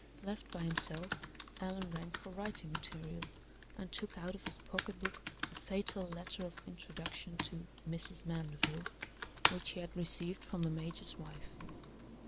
Left by himself, Allan rang for writing materials, and took out of his pocket book the fatal letter of introduction to "Mrs. Mandeville" which he had received from the major's wife.